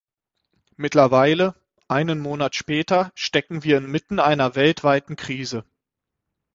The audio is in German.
Mittlerweile, einen Monat später, stecken wir inmitten einer weltweiten Krise.